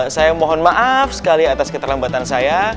saya mohon maaf sekali atas keterlambatan saya